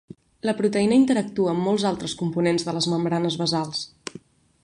La proteïna interactua amb molts altres components de les membranes basals.